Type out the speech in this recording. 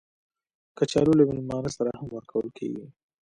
کچالو له میلمانه سره هم ورکول کېږي